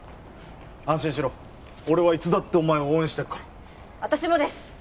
安心しろ俺はいつだってお前を応援してっから私もです